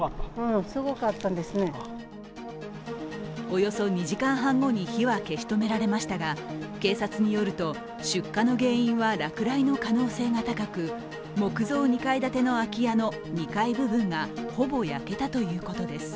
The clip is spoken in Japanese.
およそ２時間半後に火は消し止められましたが警察によると、出火の原因は落雷の可能性が高く、木造２階建ての空き家の２階部分がほぼ焼けたということです。